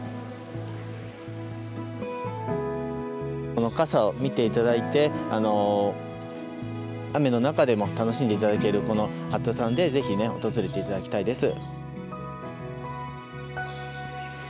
この傘を見ていただいて雨の中でも楽しんでいただけるこの法多山でぜひ訪れていただきたいです。